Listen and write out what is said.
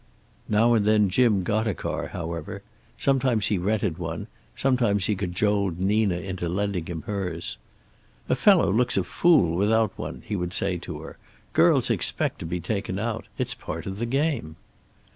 Now and then Jim got a car, however. Sometimes he rented one, sometimes he cajoled Nina into lending him hers. "A fellow looks a fool without one," he would say to her. "Girls expect to be taken out. It's part of the game."